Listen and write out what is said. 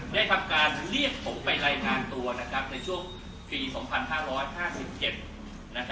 ได้ทำการเรียกผมไปรายงานตัวในช่วงปี๒๕๕๗